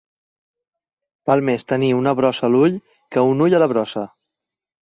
Val més tenir una brossa a l'ull que un ull a la brossa.